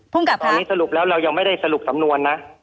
กับตอนนี้สรุปแล้วเรายังไม่ได้สรุปสำนวนนะ